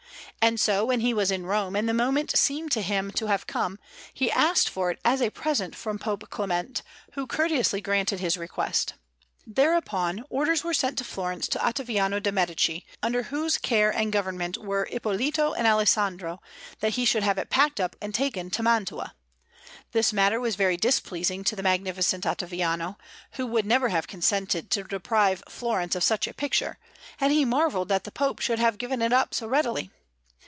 And so, when he was in Rome and the moment seemed to him to have come, he asked for it as a present from Pope Clement, who courteously granted his request. Thereupon orders were sent to Florence to Ottaviano de' Medici, under whose care and government were Ippolito and Alessandro, that he should have it packed up and taken to Mantua. This matter was very displeasing to the Magnificent Ottaviano, who would never have consented to deprive Florence of such a picture, and he marvelled that the Pope should have given it up so readily.